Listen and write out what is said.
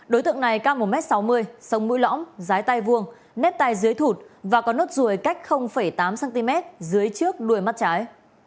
đối tượng này cam một m sáu mươi sông mũi lõng dái tay vuông nếp tay dưới thụt và có nốt ruồi cách tám cm dưới trước đuôi mắt trái